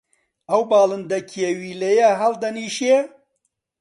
ئەو باڵندە کێویلەیە هەڵدەنیشێ؟